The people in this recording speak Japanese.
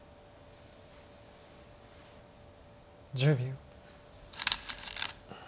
１０秒。